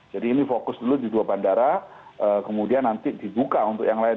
ini fokus dulu di dua bandara kemudian nanti dibuka untuk yang lain